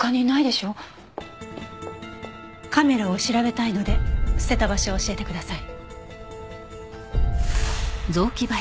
カメラを調べたいので捨てた場所を教えてください。